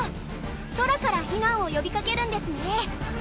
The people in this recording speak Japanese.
空から避難を呼びかけるんですね。